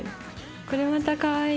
これまたかわいい！